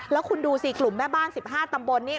แล้วคุณดูสิกลุ่มแม่บ้าน๑๕ตำบลนี่